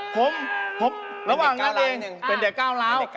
ผมละหว่างงานนี้เป็นเด็กเก่าร้าน